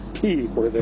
これで。